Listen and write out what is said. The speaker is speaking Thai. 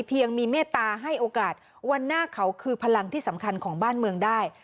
ยังมีเมตตาให้โอกาสวันหน้าเขาคือพลังที่สำคัญของบ้านเมืองได้